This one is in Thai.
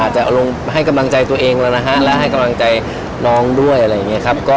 กระเอาให้กำลังใจตัวเองแล้วให้กำลังใจน้องด้วย